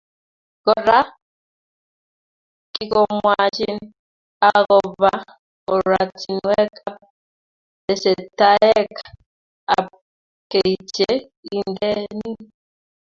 Kora, kikomwochin akoba oratinwek ab tesetaet ab kei che indeni